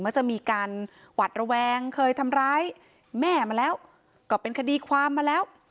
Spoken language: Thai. ก็จะมีการหวัดระแวงเคยทำร้ายแม่มาแล้วก็เป็นคดีความมาแล้ว